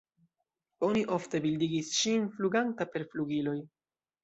Oni ofte bildigis ŝin fluganta per flugiloj.